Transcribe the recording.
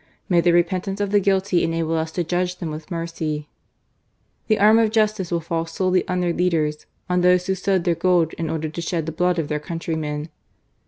May the repentance of the guilty enable us to judge them with mercy ! The arm of justice will fall solely on their leaders: on those who sowed their gold in order to shed the blood of their countrymen."